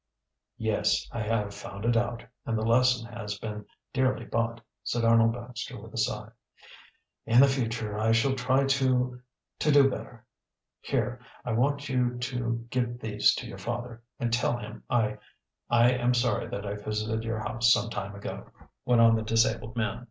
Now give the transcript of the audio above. "Yes, I have found it out, and the lesson has been dearly bought," said Arnold Baxter with a sigh. "In the future I shall try to to do better. Here, I want you to give these to your father, and tell him I I am sorry that I visited your house some time ago," went on the disabled man.